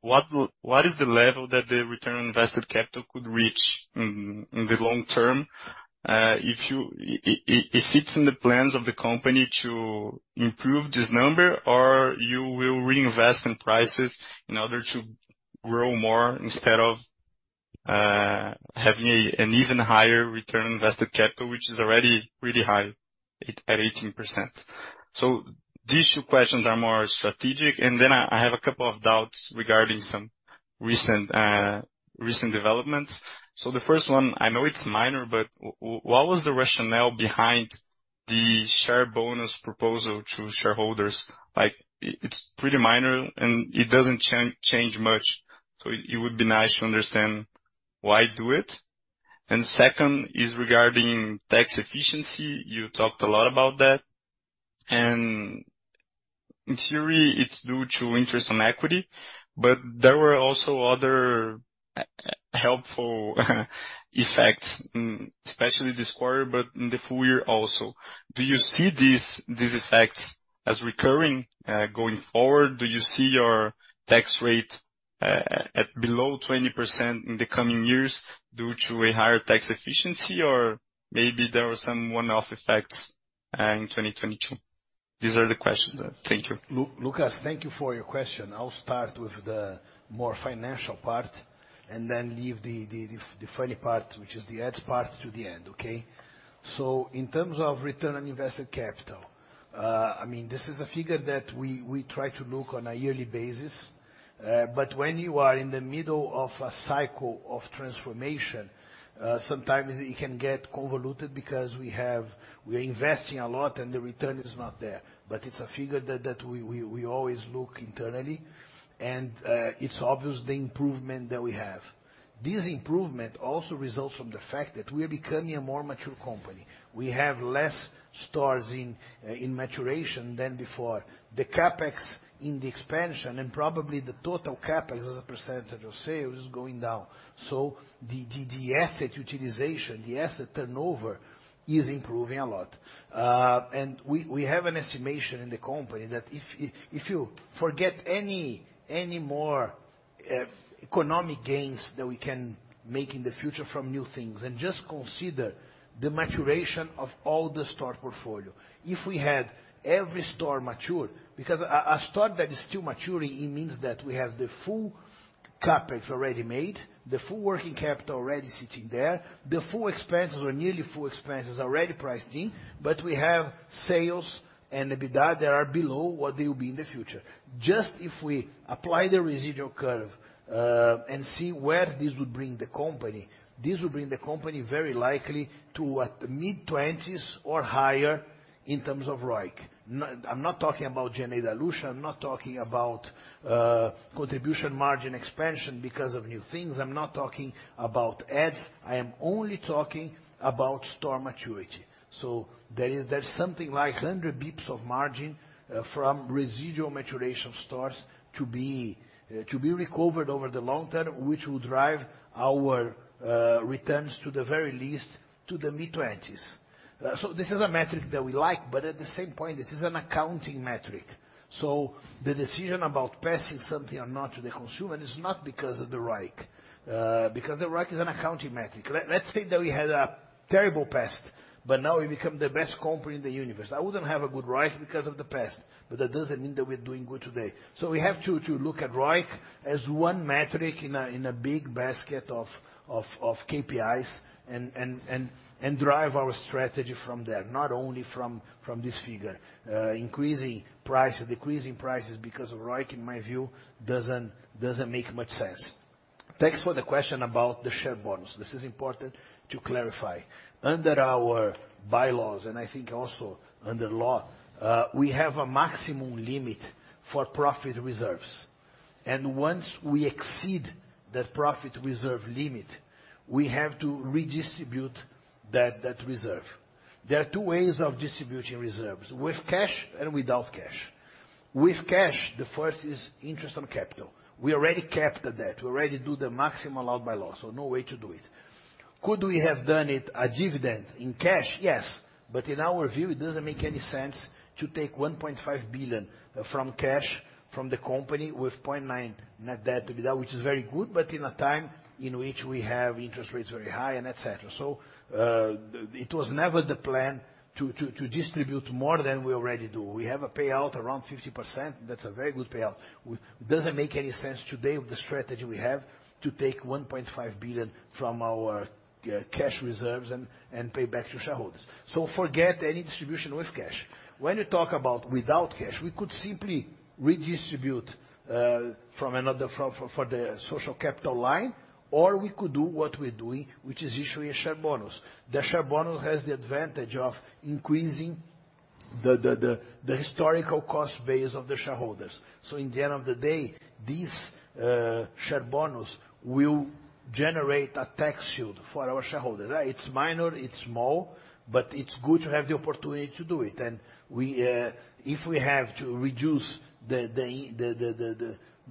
what is the level that the ROIC could reach in the long term? If it's in the plans of the company to improve this number, or you will reinvest in prices in order to grow more instead of having an even higher ROIC, which is already really high at 18%. These two questions are more strategic. I have a couple of doubts regarding some recent developments. The first one, I know it's minor, but what was the rationale behind the share bonus proposal to shareholders? It's pretty minor, and it doesn't change much, it would be nice to understand why do it. Second is regarding tax efficiency. You talked a lot about that. In theory, it's due to interest on capital, there were also other helpful effects, especially this quarter, but in the full year also. Do you see these effects as recurring going forward? Do you see your tax rate at below 20% in the coming years due to a higher tax efficiency, or maybe there were some one-off effects in 2022? These are the questions. Thank you. Lucas, thank you for your question. I'll start with the more financial part and then leave the funny part, which is the ads part, to the end, okay? In terms of return on invested capital, I mean, this is a figure that we try to look on a yearly basis. When you are in the middle of a cycle of transformation, sometimes it can get convoluted because we are investing a lot and the return is not there. It's a figure that we always look internally and it's obvious the improvement that we have. This improvement also results from the fact that we're becoming a more mature company. We have less stores in maturation than before. The CapEx in the expansion and probably the total CapEx as a % of sales is going down. The asset utilization, the asset turnover is improving a lot. We have an estimation in the company that if you forget any more economic gains that we can make in the future from new things and just consider the maturation of all the store portfolio. If we had a store mature, because a store that is still maturing, it means that we have the full CapEx already made, the full working capital already sitting there, the full expenses or nearly full expenses already priced in. We have sales and EBITDA that are below what they will be in the future. Just if we apply the residual curve, and see where this would bring the company, this would bring the company very likely to what, mid-20s or higher in terms of ROIC. I'm not talking about general dilution, I'm not talking about contribution margin expansion because of new things. I'm not talking about ads. I am only talking about store maturity. There's something like 100 basis points of margin from residual maturation stores to be to be recovered over the long term, which will drive our returns to the very least to the mid-20s. This is a metric that we like, but at the same point, this is an accounting metric. The decision about passing something or not to the consumer is not because of the ROIC, because the ROIC is an accounting metric. Let's say that we had a terrible past, but now we become the best company in the Universe. I wouldn't have a good ROIC because of the past, but that doesn't mean that we're doing good today. We have to look at ROIC as one metric in a big basket of KPIs and drive our strategy from there, not only from this figure. Increasing price or decreasing prices because of ROIC, in my view, doesn't make much sense. Thanks for the question about the share bonus. This is important to clarify. Under our bylaws, and I think also under law, we have a maximum limit for profit reserves. Once we exceed that profit reserve limit, we have to redistribute that reserve. There are two ways of distributing reserves, with cash and without cash. With cash, the first is interest on capital. We already capped that. We already do the maximum allowed by law, so no way to do it. Could we have done it a dividend in cash? Yes. In our view, it doesn't make any sense to take 1.5 billion from cash from the company with 0.9 net debt to EBITDA, which is very good, but in a time in which we have interest rates very high and et cetera. It was never the plan to distribute more than we already do. We have a payout around 50%. That's a very good payout. It doesn't make any sense today with the strategy we have to take 1.5 billion from our cash reserves and pay back to shareholders. Forget any distribution with cash. When you talk about without cash, we could simply redistribute from the social capital line, or we could do what we're doing, which is issuing a share bonus. The share bonus has the advantage of increasing the historical cost base of the shareholders. In the end of the day, this share bonus will generate a tax shield for our shareholders. It's minor, it's small, but it's good to have the opportunity to do it. If we have to reduce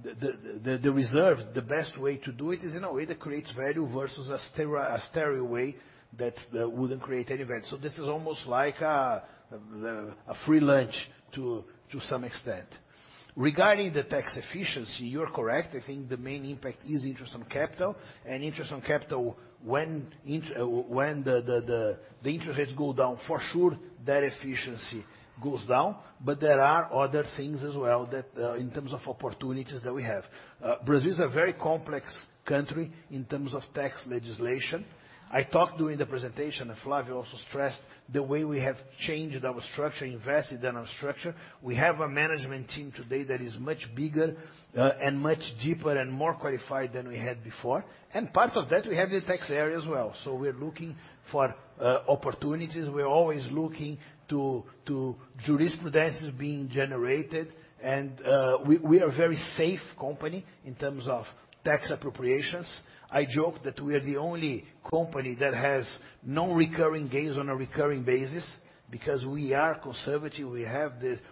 the reserve, the best way to do it is in a way that creates value versus a sterile way that wouldn't create any value. This is almost like a free lunch to some extent. Regarding the tax efficiency, you're correct. I think the main impact is interest on capital and interest on capital when the interest rates go down, for sure that efficiency goes down. There are other things as well that in terms of opportunities that we have. Brazil is a very complex country in terms of tax legislation. I talked during the presentation, Flavio also stressed the way we have changed our structure, invested in our structure. We have a management team today that is much bigger and much deeper and more qualified than we had before. Part of that, we have the tax area as well. We're looking for opportunities. We're always looking to jurisprudence is being generated, and we are very safe company in terms of tax appropriations. I joke that we are the only company that has no recurring gains on a recurring basis because we are conservative.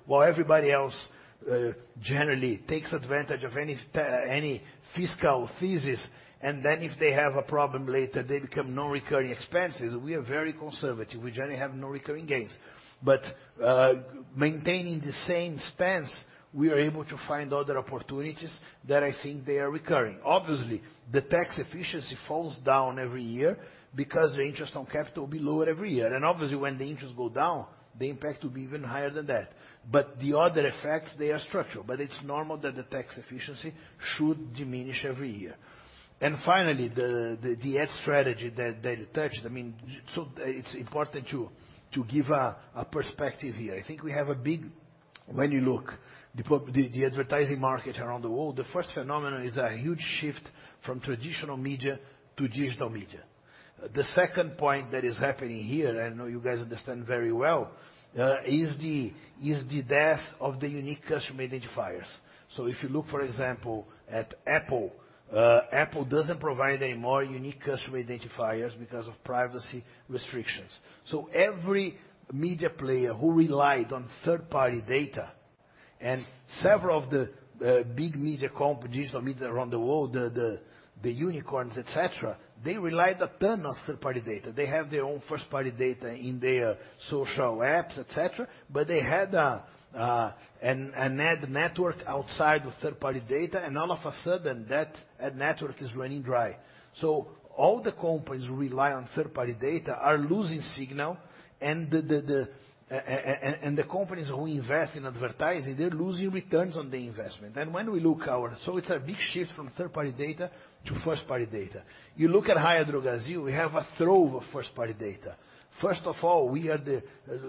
While everybody else generally takes advantage of any fiscal thesis, and then if they have a problem later, they become non-recurring expenses. We are very conservative. We generally have no recurring gains. Maintaining the same stance, we are able to find other opportunities that I think they are recurring. Obviously, the tax efficiency falls down every year because the interest on capital will be lower every year. Obviously, when the interest go down, the impact will be even higher than that. The other effects, they are structural, but it's normal that the tax efficiency should diminish every year. Finally, the Ads strategy that you touched, I mean, it's important to give a perspective here. When you look the advertising market around the world, the first phenomenon is a huge shift from traditional media to digital media. The second point that is happening here, I know you guys understand very well, is the death of the unique customer identifiers. If you look, for example, at Apple, Apple doesn't provide any more unique customer identifiers because of privacy restrictions. Every media player who relied on third-party data and several of the big media digital media around the world, the unicorns, et cetera, they relied a ton on third-party data. They have their own first-party data in their social apps, et cetera, but they had an ad network outside of third-party data, and all of a sudden that ad network is running dry. All the companies who rely on third-party data are losing signal and the companies who invest in advertising, they're losing returns on the investment. When we look, it's a big shift from third-party data to first-party data. You look at Raia Drogasil, we have a trove of first-party data. First of all, we are the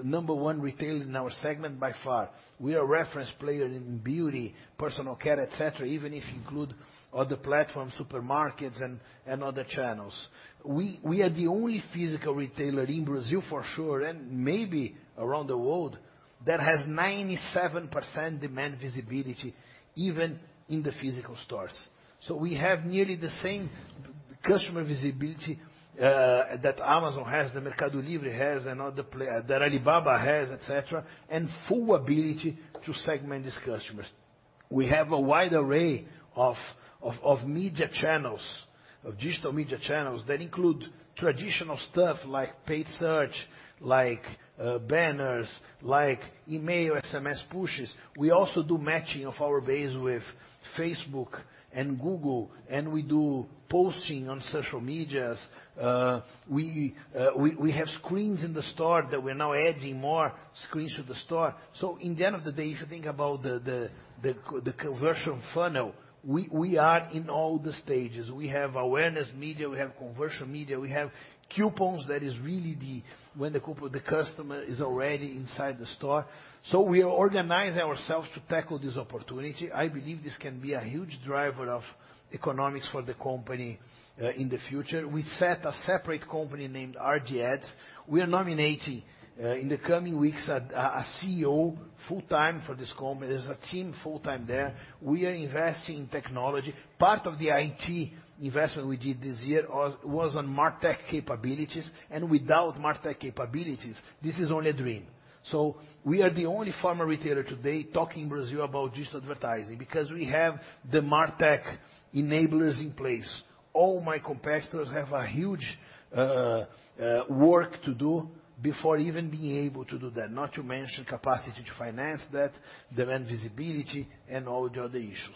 number one retailer in our segment by far. We are reference player in beauty, personal care, et cetera, even if you include other platforms, supermarkets and other channels. We are the only physical retailer in Brazil for sure and maybe around the world that has 97% demand visibility even in the physical stores. We have nearly the same customer visibility that Amazon has, that Mercado Libre has, and other that Alibaba has, et cetera, and full ability to segment these customers. We have a wide array of media channels, of digital media channels that include traditional stuff like paid search, like banners, like email, SMS pushes. We also do matching of our base with Facebook and Google, and we do posting on social medias. We have screens in the store that we're now adding more screens to the store. In the end of the day, if you think about the conversion funnel, we are in all the stages. We have awareness media, we have conversion media, we have coupons that is really when the customer is already inside the store. We organize ourselves to tackle this opportunity. I believe this can be a huge driver of economics for the company in the future. We set a separate company named RD Ads. We are nominating in the coming weeks a CEO full-time for this company. There's a team full-time there. We are investing in technology. Part of the IT investment we did this year was on MarTech capabilities, and without MarTech capabilities, this is only a dream. We are the only pharma retailer today talking Brazil about digital advertising because we have the MarTech enablers in place. All my competitors have a huge work to do before even being able to do that, not to mention capacity to finance that, demand visibility and all the other issues.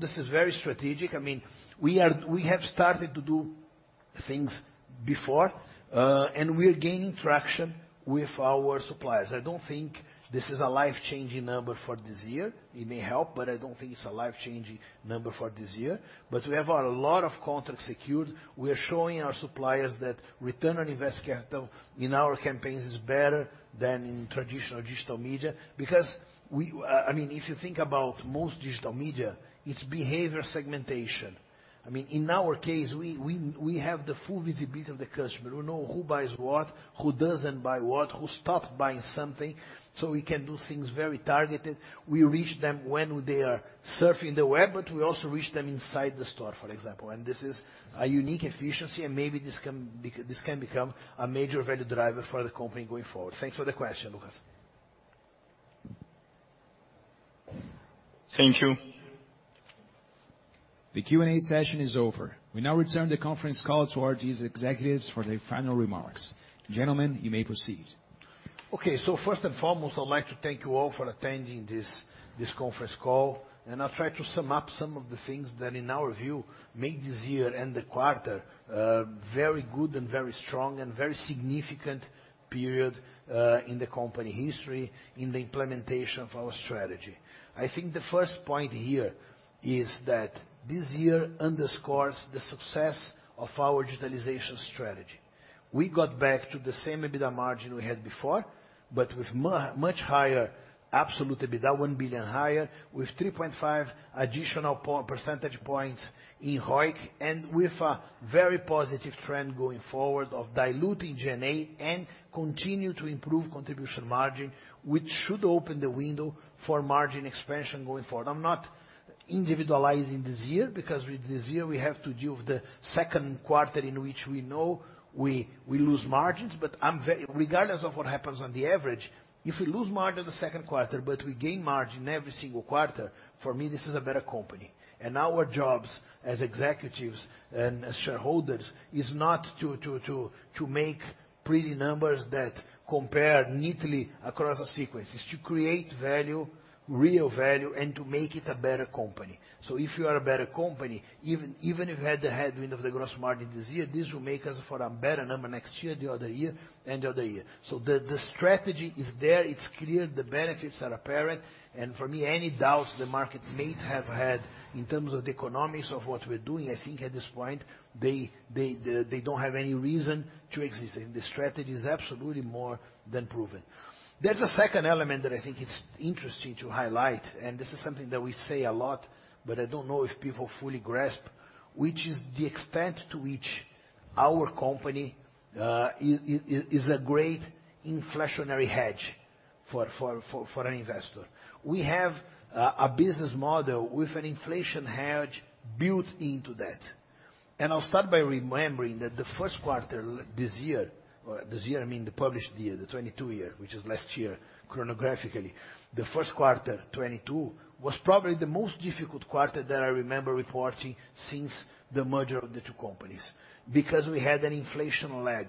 This is very strategic. I mean, we have started to do things before, and we are gaining traction with our suppliers. I don't think this is a life-changing number for this year. It may help, but I don't think it's a life-changing number for this year. We have a lot of contracts secured. We are showing our suppliers that return on invested capital in our campaigns is better than in traditional digital media because, I mean, if you think about most digital media, it's behavior segmentation. I mean, in our case, we have the full visibility of the customer. We know who buys what, who doesn't buy what, who stopped buying something. We can do things very targeted. We reach them when they are surfing the web. We also reach them inside the store, for example. This is a unique efficiency and maybe this can become a major value driver for the company going forward. Thanks for the question, Lucas. Thank you. The Q&A session is over. We now return the conference call to RD's executives for their final remarks. Gentlemen, you may proceed. Okay. First and foremost, I'd like to thank you all for attending this conference call, and I'll try to sum up some of the things that in our view made this year and the quarter very good and very strong and very significant period in the company history in the implementation of our strategy. I think the first point here is that this year underscores the success of our digitalization strategy. We got back to the same EBITDA margin we had before, but with much higher absolute EBITDA, 1 billion higher, with 3.5 additional percentage points in ROIC and with a very positive trend going forward of diluting G&A and continue to improve contribution margin, which should open the window for margin expansion going forward. I'm not individualizing this year because with this year we have to deal with the Q2 in which we know we lose margins. Regardless of what happens on the average, if we lose margin in the Q2, but we gain margin every single quarter, for me, this is a better company. Our jobs as executives and as shareholders is not to make pretty numbers that compare neatly across a sequence. It's to create value, real value, and to make it a better company. If you are a better company, even if you had the headwind of the gross margin this year, this will make us for a better number next year, the other year and the other year. The strategy is there, it's clear, the benefits are apparent, and for me, any doubts the market may have had in terms of the economics of what we're doing, I think at this point, they don't have any reason to exist, and the strategy is absolutely more than proven. There's a second element that I think it's interesting to highlight, and this is something that we say a lot, but I don't know if people fully grasp, which is the extent to which our company is a great inflationary hedge for an investor. We have a business model with an inflation hedge built into that. I'll start by remembering that the Q1 this year, or this year I mean the published year, 2022, which is last year chronographically. The Q1, 2022, was probably the most difficult quarter that I remember reporting since the merger of the two companies because we had an inflation lag.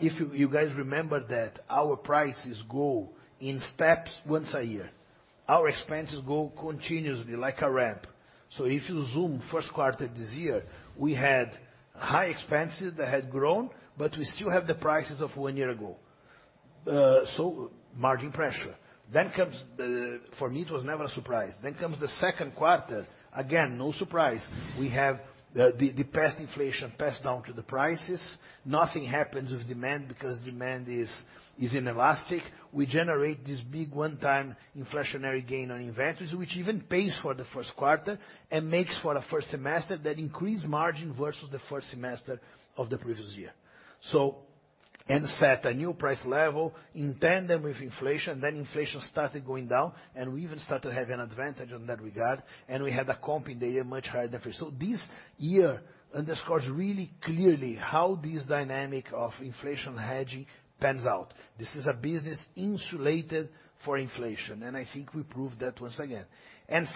If you guys remember that our prices go in steps once a year. Our expenses go continuously like a ramp. If you zoom Q1 this year, we had high expenses that had grown, but we still have the prices of one year ago. Margin pressure. For me, it was never a surprise. Comes the Q2. Again, no surprise. We have the past inflation passed down to the prices. Nothing happens with demand because demand is inelastic. We generate this big one-time inflationary gain on inventories, which even pays for the Q1 and makes for a first semester that increased margin versus the first semester of the previous year. Set a new price level in tandem with inflation, then inflation started going down and we even started to have an advantage on that regard, and we had a comp in the year much higher than before. This year underscores really clearly how this dynamic of inflation hedging pans out. This is a business insulated for inflation, and I think we proved that once again.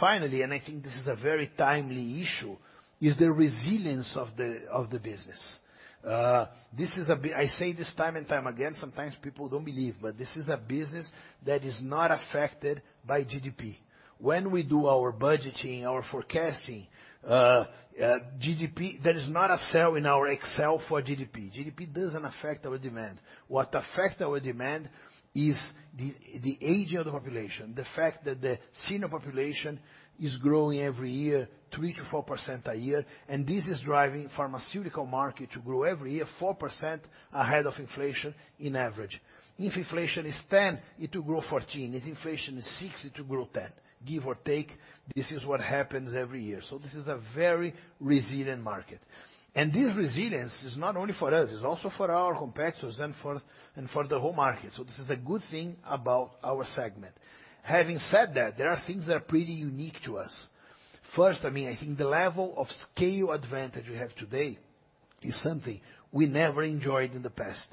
Finally, and I think this is a very timely issue, is the resilience of the business. I say this time and time again, sometimes people don't believe, but this is a business that is not affected by GDP. When we do our budgeting, our forecasting, GDP, there is not a cell in our Excel for GDP. GDP doesn't affect our demand. What affect our demand is the aging of the population. The fact that the senior population is growing every year, 3%-4% a year. This is driving pharmaceutical market to grow every year 4% ahead of inflation in average. If inflation is 10, it will grow 14. If inflation is six, it will grow 10. Give or take, this is what happens every year. This is a very resilient market. This resilience is not only for us, it's also for our competitors and for the whole market. This is a good thing about our segment. Having said that, there are things that are pretty unique to us. First, I mean, I think the level of scale advantage we have today is something we never enjoyed in the past.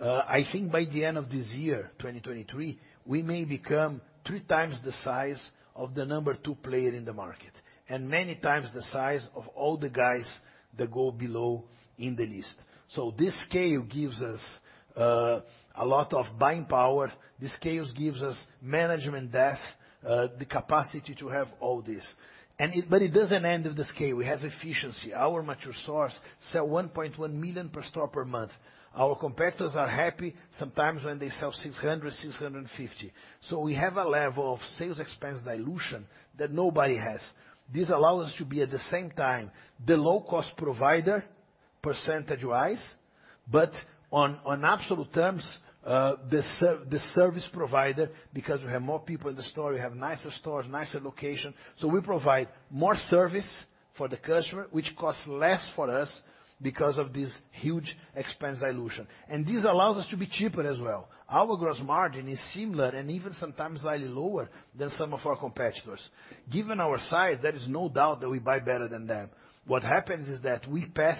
I think by the end of this year, 2023, we may become 3x the size of the number two player in the market, and many times the size of all the guys that go below in the list. This scale gives us a lot of buying power. This scale gives us management depth, the capacity to have all this. But it doesn't end with the scale. We have efficiency. Our mature stores sell 1.1 million per store per month. Our competitors are happy sometimes when they sell 600-650. We have a level of sales expense dilution that nobody has. This allows us to be, at the same time, the low cost provider percentage-wise, but on absolute terms, the service provider, because we have more people in the store, we have nicer stores, nicer location. We provide more service for the customer, which costs less for us because of this huge expense dilution. This allows us to be cheaper as well. Our gross margin is similar and even sometimes slightly lower than some of our competitors. Given our size, there is no doubt that we buy better than them. What happens is that we pass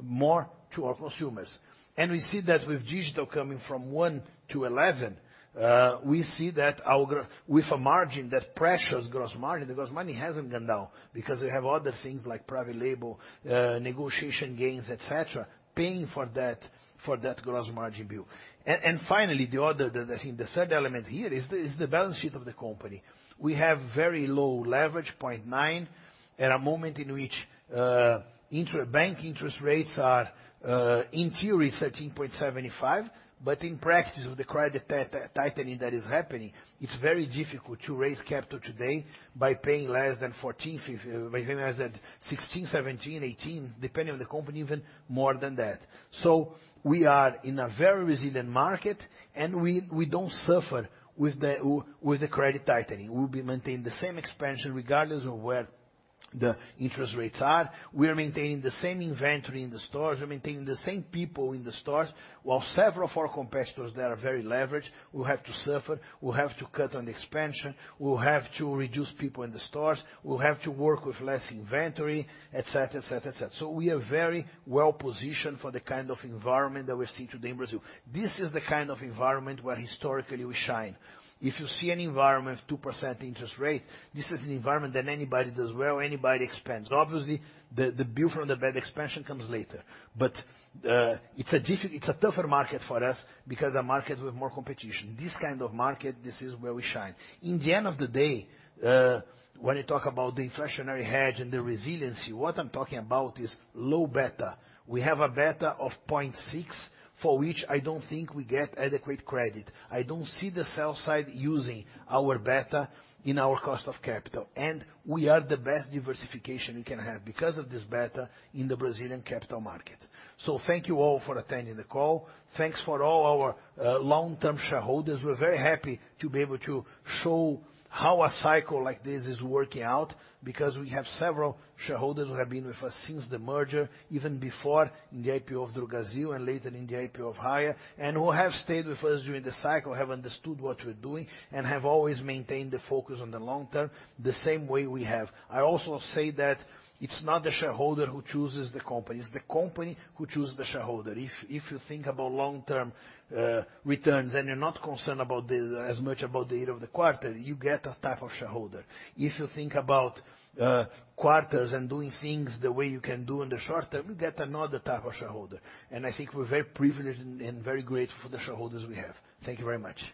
more to our consumers. We see that with digital coming from one to 11, we see that our with a margin that pressures gross margin. The gross margin hasn't gone down because we have other things like private label, negotiation gains, et cetera, paying for that gross margin bill. Finally, the third element here is the balance sheet of the company. We have very low leverage, 0.9, at a moment in which inter-bank interest rates are, in theory, 13.75, but in practice with the credit tightening that is happening, it's very difficult to raise capital today by paying less than 14-15, by paying less than 16-18, depending on the company, even more than that. We are in a very resilient market, and we don't suffer with the credit tightening. We'll be maintaining the same expansion regardless of where the interest rates are. We're maintaining the same inventory in the stores. We're maintaining the same people in the stores, while several of our competitors that are very leveraged will have to suffer, will have to cut on expansion, will have to reduce people in the stores, will have to work with less inventory, et cetera. We are very well-positioned for the kind of environment that we're seeing today in Brazil. This is the kind of environment where historically we shine. If you see an environment of 2% interest rate, this is an environment that anybody does well, anybody expands. Obviously, the bill from the bad expansion comes later. It's a tougher market for us because a market with more competition. This kind of market, this is where we shine. In the end of the day, when you talk about the inflationary hedge and the resiliency, what I'm talking about is low beta. We have a beta of 0.6, for which I don't think we get adequate credit. I don't see the sell side using our beta in our cost of capital. We are the best diversification you can have because of this beta in the Brazilian capital market. Thank you all for attending the call. Thanks for all our long-term shareholders. We're very happy to be able to show how a cycle like this is working out because we have several shareholders who have been with us since the merger, even before in the IPO of Drogasil and later in the IPO of Raia, and who have stayed with us during this cycle, have understood what we're doing, and have always maintained the focus on the long term, the same way we have. I also say that it's not the shareholder who chooses the company. It's the company who choose the shareholder. If you think about long-term returns and you're not concerned as much about the end of the quarter, you get a type of shareholder. If you think about quarters and doing things the way you can do in the short term, you get another type of shareholder. I think we're very privileged and very grateful for the shareholders we have. Thank you very much.